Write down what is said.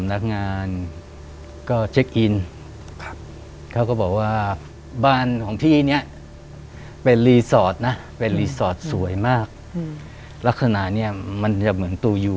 ได้ข่าวว่ามีหลายเรื่อง